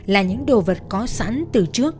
là những đồ vật có sẵn từ trước